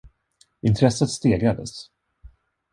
Intresset stegrades.